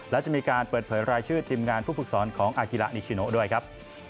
และจะมีการเปิดเผยรายชื่อทีมงานผู้ฝึกสอนของอากิระนิชิโนด้วยครับ